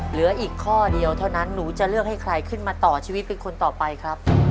เหลืออีกข้อเดียวเท่านั้นหนูจะเลือกให้ใครขึ้นมาต่อชีวิตเป็นคนต่อไปครับ